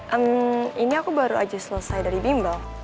ehm ini aku baru aja selesai dari bimbel